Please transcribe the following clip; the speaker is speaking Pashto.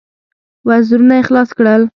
وزرونه يې خلاص کړل.